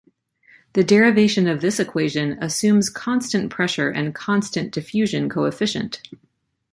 The derivation of this equation assumes constant pressure and constant diffusion coefficient.